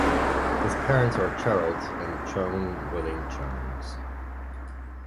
His parents are Gerald and Joan Wooding Jones.